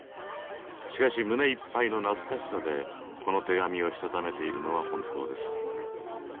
しかし胸一杯のなつかしさでこの手紙をしたためているのは本当です。